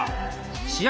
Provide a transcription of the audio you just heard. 試合